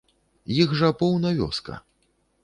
Іх жа поўна вёска.